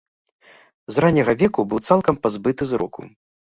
З ранняга веку быў цалкам пазбыты зроку.